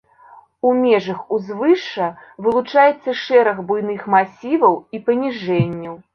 У межах узвышша вылучаецца шэраг буйных масіваў і паніжэнняў.